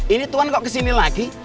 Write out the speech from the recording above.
ini tuhan kok kesini lagi